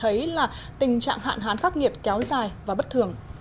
thấy là tình trạng hạn hán khắc nghiệt kéo dài và bất thường